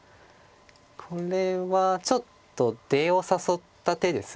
これはちょっと出を誘った手です。